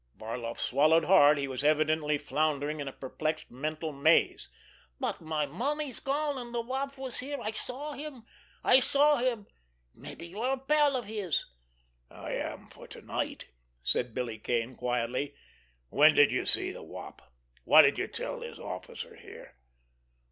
Barloff swallowed hard; he was evidently floundering in a perplexed mental maze. "But my money's gone, and the Wop was here. I saw him. I saw him. Maybe you're a pal of his." "I am for to night," said Billy Kane quietly. "When did you see the Wop? What did you tell this officer here?"